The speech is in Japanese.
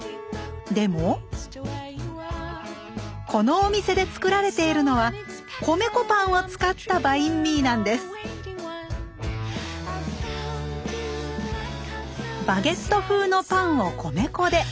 でもこのお店でつくられているのは米粉パンを使ったバインミーなんですバゲット風のパンを米粉で。